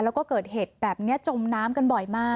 แล้วก็เกิดเหตุแบบนี้จมน้ำกันบ่อยมาก